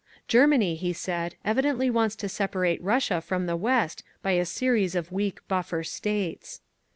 Germany, he said, evidently wants to separate Russia from the West by a series of weak buffer states.